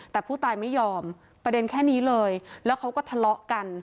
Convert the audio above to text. แต่ผู้ตายไม่ยอมประเด็นแค่นี้เลยแล้วเขาก็ทะเลาะกัน